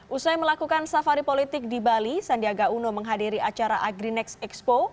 usai melakukan safari politik di bali sandiaga uno menghadiri acara agri next expo